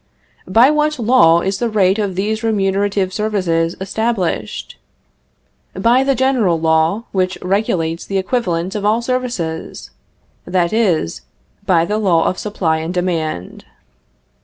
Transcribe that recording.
By what law is the rate of these remunerative services established? By the general law which regulates the equivalent of all services; that is, by the law of supply and demand.